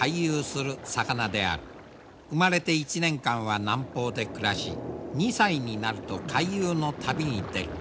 生まれて１年間は南方で暮らし２歳になると回遊の旅に出る。